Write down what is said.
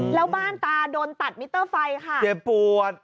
แล้วบ้านตาโดนตัดมิเตอร์ไฟค่ะเจ็บปวด